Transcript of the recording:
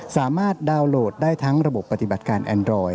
ดาวน์โหลดได้ทั้งระบบปฏิบัติการแอนดรอย